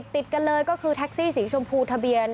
ติดกันเลยก็คือแท็กซี่สีชมพูทะเบียน